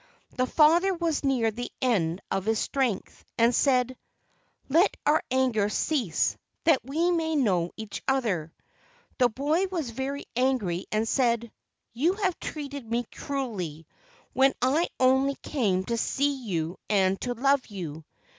The father was near the end of his strength, and said, "Let our anger cease, that we may know each other." The boy was very angry and said: "You have treated me cruelly, when I only came to see you and to love you.